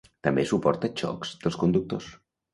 També suporta xocs dels conductors.